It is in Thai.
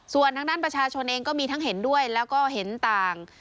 ส่วนทางด้านประชาชนเองก็มีทั้งเห็นด้วยแล้วก็เห็นต่าง